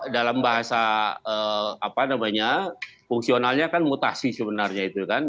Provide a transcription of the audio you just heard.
dalam bahasa apa namanya fungsionalnya kan mutasi sebenarnya itu kan